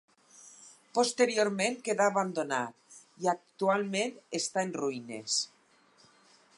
Posteriorment quedà abandonat i actualment està en ruïnes.